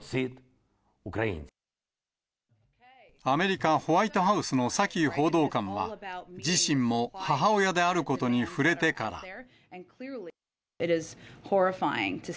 アメリカ、ホワイトハウスのサキ報道官は、自身も母親であることに触れてから。